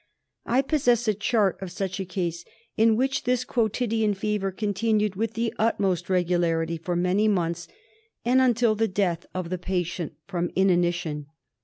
I possess a chart of such a case in which this quotidian fever continued with the utmost regularity for many months, and until the death of the patient from inanition.